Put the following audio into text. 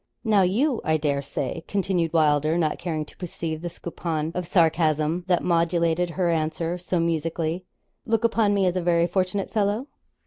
'Now, you, I dare say,' continued Wylder, not caring to perceive the soupçon of sarcasm that modulated her answer so musically, 'look upon me as a very fortunate fellow?'